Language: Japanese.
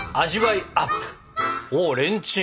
おっレンチン。